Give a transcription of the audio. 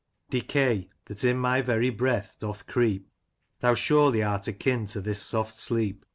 Decay, that in my very breath doth creep, Thou surely art akin to this soft sleep.